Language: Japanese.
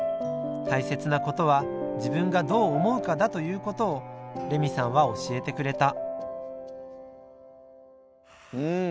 大切なことは自分がどう思うかだということをレミさんは教えてくれたうん。